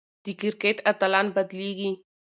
د کرکټ اتلان بدلېږي.